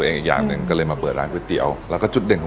สวัสดีครับสวัสดีครับสวัสดีครับ